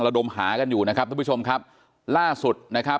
ปกติพี่สาวเราเนี่ยครับเป็นคนเชี่ยวชาญในเส้นทางป่าทางนี้อยู่แล้วหรือเปล่าครับ